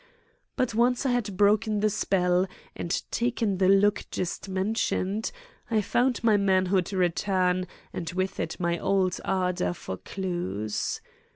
But once I had broken the spell and taken the look just mentioned, I found my manhood return and with it my old ardor for clues.